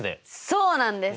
そうなんです！